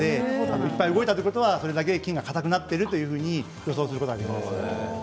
いっぱい動いたということはそれだけ筋が硬くなっているということです。